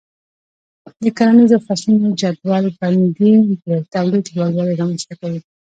د کرنیزو فصلونو جدول بندي د تولید لوړوالی رامنځته کوي.